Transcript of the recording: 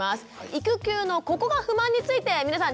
育休の「ここが不満」について皆さん